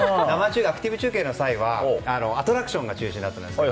アクティブ中継の際はアトラクションが中心だったじゃないですか。